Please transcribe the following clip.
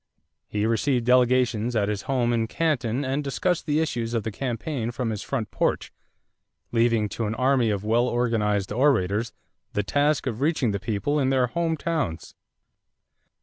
He received delegations at his home in Canton and discussed the issues of the campaign from his front porch, leaving to an army of well organized orators the task of reaching the people in their home towns.